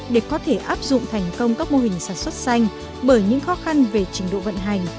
để có thể áp dụng thành công các mô hình sản xuất xanh bởi những khó khăn về trình độ vận hành